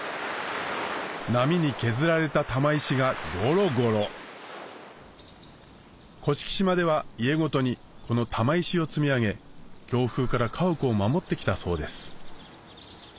波に削られた玉石がゴロゴロ甑島では家ごとにこの玉石を積み上げ強風から家屋を守ってきたそうです